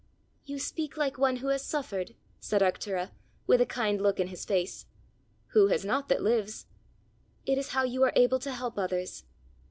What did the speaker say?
"You speak like one who has suffered!" said Arctura, with a kind look in his face. "Who has not that lives?" "It is how you are able to help others!"